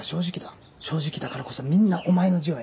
正直だからこそみんなお前の字を選ぶ。